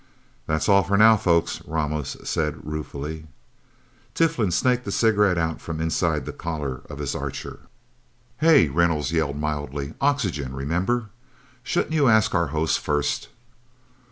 "That's all for now, folks," Ramos said ruefully. Tiflin snaked a cigarette out from inside the collar of his Archer. "Hey!" Reynolds said mildly. "Oxygen, remember? Shouldn't you ask our host, first?"